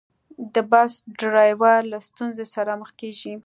د بس ډریور له ستونزې سره مخ کېږي.